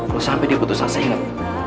kalau sampai dia putus asa ingat